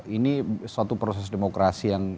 ini suatu proses demokrasi yang